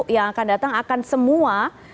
yang akan datang akan semua